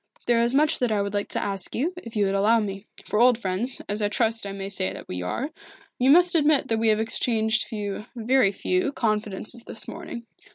There is much that I would like to ask you, if you would allow me. For old friends, as I trust I may say that we are, you must admit that we have exchanged few very few confidences this morning.